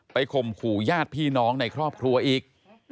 ข่มขู่ญาติพี่น้องในครอบครัวอีก